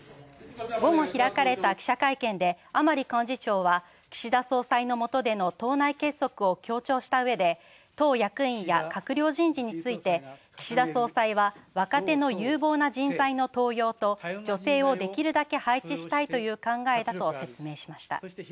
午後開かれた記者会見で、甘利幹事長は、岸田総裁のもとでの党内結束を強調した上で党役員や閣僚人事について「岸田総裁は、若手の有望な人材の登用と女性をできるだけ配置したいという考えだ」と説明しました。